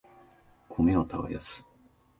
米を耕す